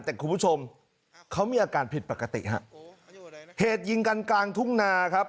แต่คุณผู้ชมเขามีอาการผิดปกติฮะเหตุยิงกันกลางทุ่งนาครับ